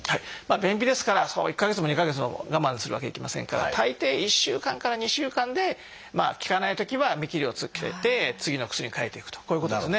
便秘ですから１か月も２か月も我慢するわけにいきませんから大抵１週間から２週間で効かないときは見切りをつけて次の薬に変えていくとこういうことですね。